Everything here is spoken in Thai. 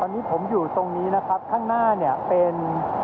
ตอนนี้ผมอยู่ตรงนี้นะครับข้างหน้าเนี่ยเป็น